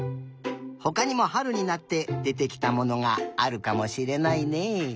ほかにもはるになってでてきたものがあるかもしれないね。